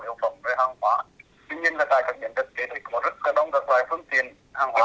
tuy nhiên là tại các nhiệm vật kế thì có rất là đông các loại phương tiền hàng hóa